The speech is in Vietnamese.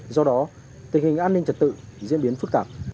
do đó tình hình an ninh trật tự diễn biến phức tạp